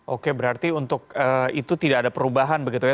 oke berarti untuk itu tidak ada perubahan begitu ya